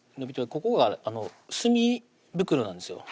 ここが墨袋なんですよ